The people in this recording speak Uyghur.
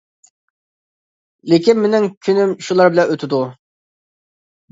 لېكىن مېنىڭ كۈنۈم شۇلار بىلەن ئۆتىدۇ.